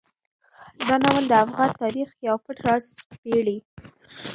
دا ناول د افغان تاریخ یو پټ راز سپړي.